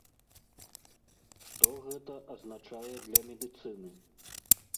Што гэта азначае для медыцыны?